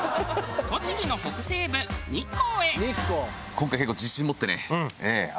栃木の北西部日光へ。